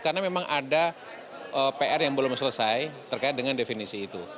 karena memang ada pr yang belum selesai terkait dengan definisi itu